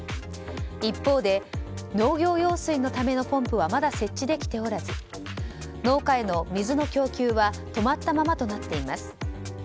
一方で農業用水のためのポンプはまだ設置できておらず農家への水の供給は止まったままとなっています。